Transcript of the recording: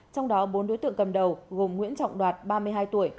trong đó bốn đối tượng cầm đầu gồm nguyễn trọng đoạt ba mươi hai tuổi